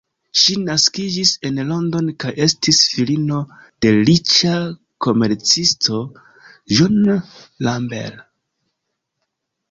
Ŝi naskiĝis en Londono kaj estis filino de riĉa komercisto, John Lambert.